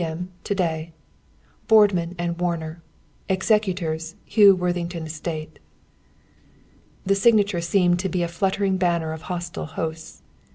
M. to day. "BOARDMAN AND WARNER, "Executors, Hugh Worthington Estate." The signature seemed to be a fluttering banner of hostile hosts.